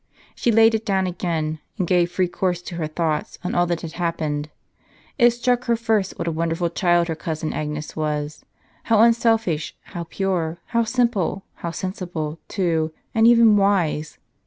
She laid it down again, and gave free course to her thoughts on all that had hap pened. It struck her first what a wonderful child her cousin Agnes was, — ^liow unselfish, how pure, how simple; how sensible, too, and even wise!